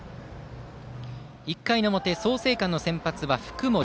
１回の表、創成館の先発は福盛。